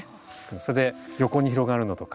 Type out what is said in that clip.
それで横に広がるのとか。